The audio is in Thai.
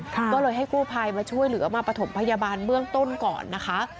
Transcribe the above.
ก็เลยให้กู้ภัยมาช่วยเหลือมาประถมพยาบาลเบื้องต้นก่อนนะคะ